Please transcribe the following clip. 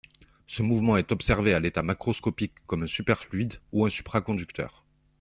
Ce mouvement est observé à l'état macroscopique comme un superfluide ou un supraconducteur.